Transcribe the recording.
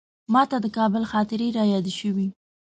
ماته د کابل خاطرې رایادې شوې.